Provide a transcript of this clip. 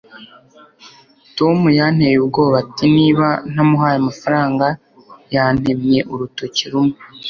tom yanteye ubwoba. ati niba ntamuhaye amafaranga, yantemye urutoki rumwe